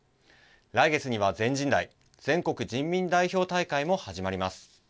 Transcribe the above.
来月には、全人代＝全国人民代表大会も始まります。